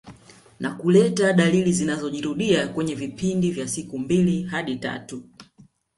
Na kuleta dalili zinazojirudia kwenye vipindi vya siku mbili hadi tatu